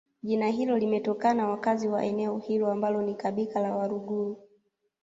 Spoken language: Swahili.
jina hilo limetokana wakazi wa eneo hilo ambalo ni kabika la waluguru